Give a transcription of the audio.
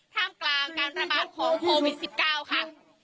ท่ามกลางการระบาดของโควิด๑๙ค่ะ